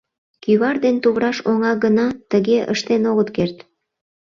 Кӱвар ден тувраш оҥа гына тыге ыштен огыт керт.